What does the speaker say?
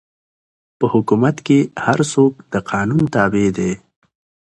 په حکومت کښي هر څوک د قانون تابع دئ.